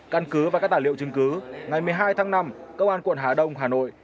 căn cứ và các tài liệu chứng cứ ngày một mươi hai tháng năm công an quận hà đông hà nội